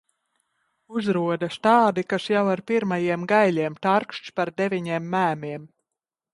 Uzrodas tādi, kas jau ar pirmajiem gaiļiem tarkšķ par deviņiem mēmiem.